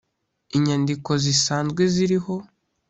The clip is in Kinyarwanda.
inyandiko zisanzwe ziriho